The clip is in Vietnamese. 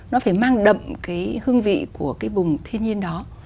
nó phải mang đậm cái hương vị của cái vùng thiên nhiên đó